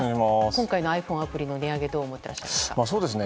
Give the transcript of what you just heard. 今回のｉＰｈｏｎｅアプリの値上げをどう思っていますか。